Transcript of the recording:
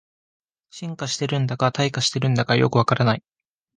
進化してるんだか退化してるんだかよくわからない